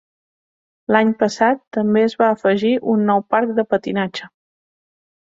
L'any passat també es va afegir un nou parc de patinatge.